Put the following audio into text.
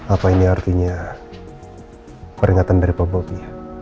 apa ini artinya peringatan dari pak bobby